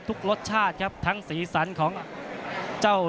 นักมวยจอมคำหวังเว่เลยนะครับ